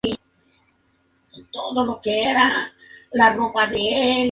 Adoraban a las aguas y a las fuentes sagradas.